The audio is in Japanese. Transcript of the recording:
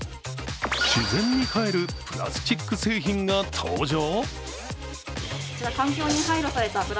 自然に還るプラスチック製品が登場！？